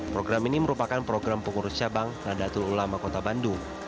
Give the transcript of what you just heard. program ini merupakan program pengurus cabang nadatul ulama kota bandung